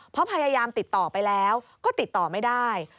เพราะพยายามติดต่อไปแล้วก็ติดต่อไม่ได้